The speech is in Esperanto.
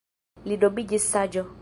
Li nomiĝis Saĝo.